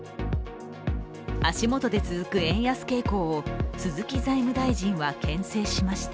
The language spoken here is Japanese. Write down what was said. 足元で続く円安傾向を鈴木財務大臣はけん制しました。